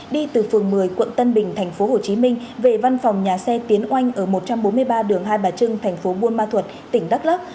đi từ phường một mươi quận tân bình thành phố hồ chí minh về văn phòng nhà xe tiến oanh ở một trăm bốn mươi ba đường hai bà trưng thành phố buôn ma thuật tỉnh đắk lóc